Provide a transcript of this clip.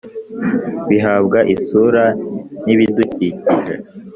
bihabwa isura n’ibidukikije.